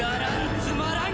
つまらん！